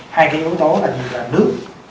hai cái yếu tố là như là nước